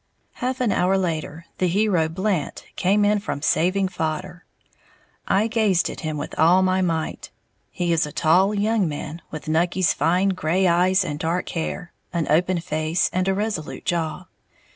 Half an hour later, the hero, Blant, came in from "saving" fodder. I gazed at him with all my might. He is a tall young man, with Nucky's fine gray eyes and dark hair, an open face and a resolute jaw.